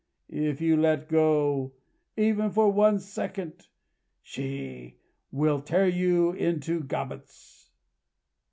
If you let go, even for one second, she will tear you into gobbets!"